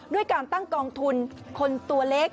ด้วยการตั้งกองทุนคนตัวเล็ก